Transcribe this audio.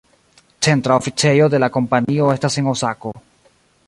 Centra oficejo de la kompanio estas en Osako.